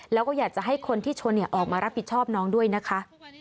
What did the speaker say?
แล้วก็อยากจะให้คนที่ชนออกมารับผิดชอบน้องด้วยนะคะ